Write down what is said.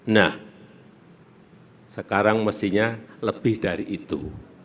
nah sekarang mestinya lebih dari itu